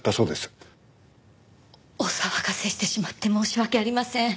お騒がせしてしまって申し訳ありません。